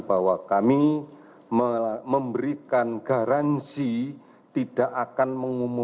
bahwa kami memberikan garansi tidak akan mengumumkan